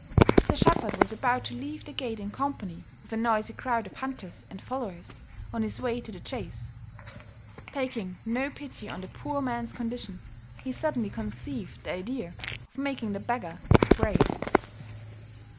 The shepherd was about to leave the gate in company with a noisy crowd of hunters and followers, on his way to the chase. Taking no pity on the poor man's condition, he suddenly conceived the idea of making the beggar his prey.